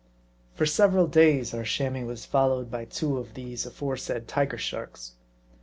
For several days our Chamois was followed by two of these aforesaid Tiger Sharks.